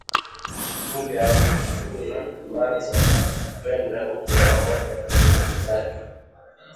Kole alimshukuru na kuanza kwenda huko pamoja na ndugu zake